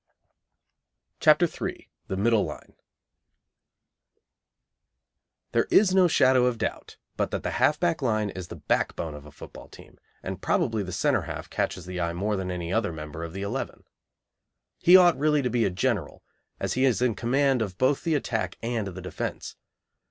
CHAPTER III. The Middle Line. There is no shadow of doubt but that the half back line is the backbone of a football team, and probably the centre half catches the eye more than any other member of the eleven. He ought really to be a general, as he is in command of both the attack and the defence.